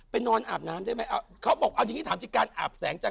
นอนอาบน้ำได้ไหมเขาบอกเอาจริงถามจริงการอาบแสงจันท